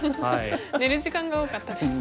寝る時間が多かったですね。